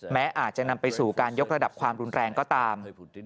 อาจจะนำไปสู่การยกระดับความรุนแรงก็ตาม